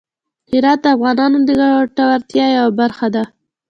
هرات د افغانانو د ګټورتیا یوه برخه ده.